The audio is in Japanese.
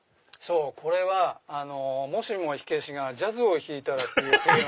これは「もしも火消しがジャズを弾いたら」ってテーマ。